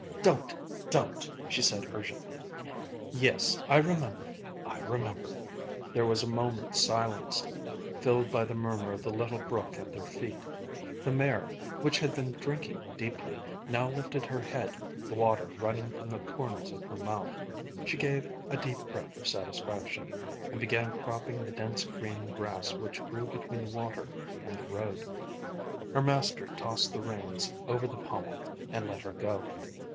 "Don't! Don't!" she said urgently. "Yes, I remember. I remember." There was a moment's silence, filled by the murmur of the little brook at their feet. The mare, which had been drinking deeply, now lifted her head, the water running from the corners of her mouth. She gave a deep breath of satisfaction, and began cropping the dense green grass which grew between the water and the road. Her master tossed the reins over the pommel and let her go.